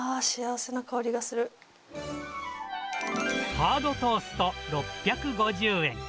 ハードトースト６５０円。